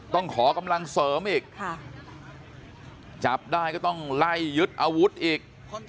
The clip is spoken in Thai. ต้องขอกำลังเสริมอีกจับได้ก็ต้องไล่ยึดอาวุธอีก